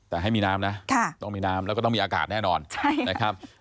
แต่ให้มีน้ำนะต้องมีน้ำแล้วก็ต้องมีอากาศแน่นอนนะครับ